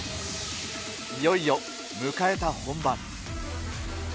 いよいよ迎えた本番。